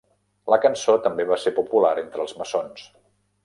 La cançó també va ser popular entre els maçons.